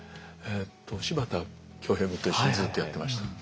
柴田恭兵くんと一緒にずっとやってました。